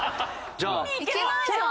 行けないじゃん。